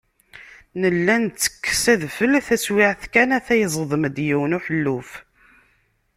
Nella nettekkes adfel, taswiɛt kan ata yeẓdem-d yiwen uḥelluf.